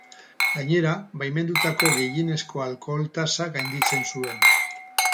Gainera, baimendutako gehienezko alkohol-tasa gainditzen zuen.